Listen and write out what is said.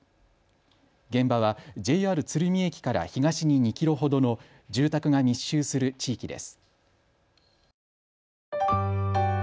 現場はＪＲ鶴見駅から東に２キロほどの住宅が密集する地域です。